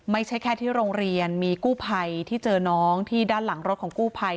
ไม่ใช่แค่ที่โรงเรียนมีกู้ภัยที่เจอน้องที่ด้านหลังรถของกู้ภัย